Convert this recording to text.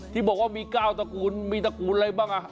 ที่บอกว่ามี๙ตระกูลมีตระกูลอะไรบ้าง